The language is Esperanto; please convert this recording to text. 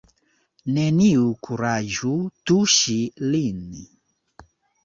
Neniu kuraĝu tuŝi lin!